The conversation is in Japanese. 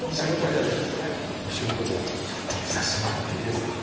部屋ちょっと見させてもらっていいですか？